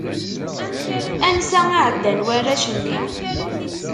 Ansa i ɛeddan warrac-nni?